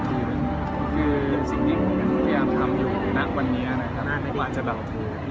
คือสิ่งที่ผมยังพยายามทำอยู่นักวันนี้นะครับ